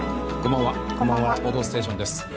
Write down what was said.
「報道ステーション」です。